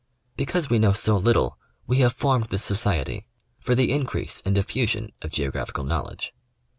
Because we know so little we have formed this society for the in crease and diffusion of Geographical knowledge.